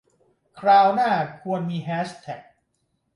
คราวหน้าควรมีแฮชแท็ก